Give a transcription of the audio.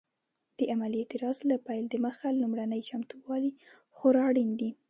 د عملي اعتراض له پیل دمخه لومړني چمتووالي خورا اړین دي.